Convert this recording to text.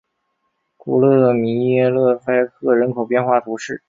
库勒米耶勒塞克人口变化图示